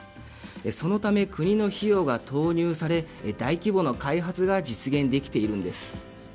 そのため国の費用が投入され大規模な開発が実現できているんです。